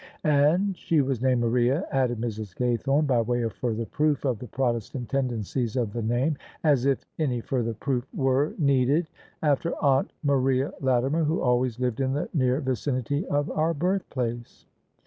" And she was named Maria," added Mrs. Gaythome by way of further proof of the Protestant tendencies of the name (as if any further proof were needed!), "after aunt Maria Latimer, who always lived in the near vicinity of our birthplace."